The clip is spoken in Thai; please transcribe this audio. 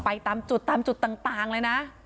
ตามจุดตามจุดต่างเลยนะ